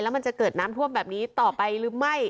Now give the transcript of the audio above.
มันจะเกิดน้ำท่วมแบบนี้ต่อไปหรือไม่